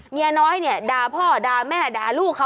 เมียน้อยเนี่ยด่าพ่อด่าแม่ด่าลูกเขา